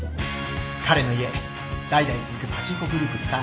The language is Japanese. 彼の家代々続くパチンコグループでさ。